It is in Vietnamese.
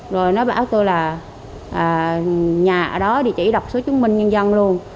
rồi nó báo tôi là nhà ở đó địa chỉ đọc số chứng minh nhân dân luôn